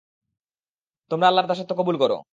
তোমরা আল্লাহর দাসত্ব কবুল কর।